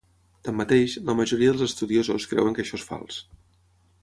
Tanmateix, la majoria dels estudiosos creuen que això és fals.